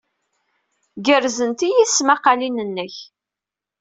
Gerẓent-iyi tesmaqqalin-nnek.